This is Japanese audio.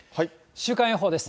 週間予報です。